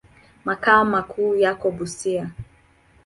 Makao makuu yako Busia.